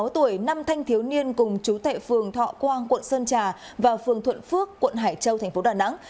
sáu tuổi năm thanh thiếu niên cùng chú tệ phường thọ quang quận sơn trà và phường thuận phước quận hải châu thành phố đà nẵng